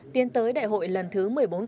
tiến tới đại hội lần thứ một mươi bốn